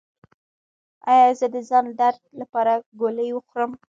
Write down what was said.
ایا زه د ځان درد لپاره ګولۍ وخورم؟